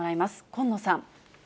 近野さん。